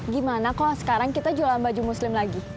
gimana kok sekarang kita jualan baju muslim lagi